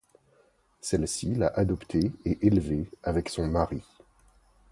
Celle-ci l'a adopté et élevé avec son mari.